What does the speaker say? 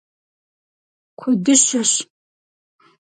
Куэдыщэщ!